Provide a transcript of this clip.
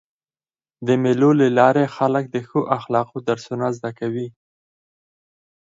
د مېلو له لاري خلک د ښو اخلاقو درسونه زده کوي.